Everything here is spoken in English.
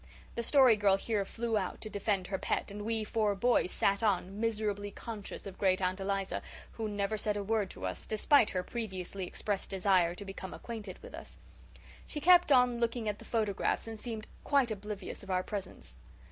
The Story Girl here flew out to defend her pet, and we four boys sat on, miserably conscious of Great aunt Eliza, who never said a word to us, despite her previously expressed desire to become acquainted with us. She kept on looking at the photographs and seemed quite oblivious of our presence.